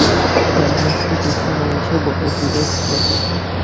গরমের ছুটির সময় এসে বলে গিয়েছিল।